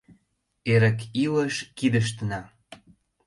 Эрык илыш — кидыштына!